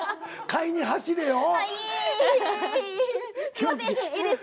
すいません絵です。